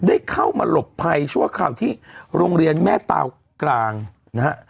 ได้เข้ามาหลบภัยชั่วคราวที่โรงเรียนแม่เตากลางนะฮะ